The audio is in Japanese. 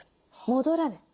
戻らない。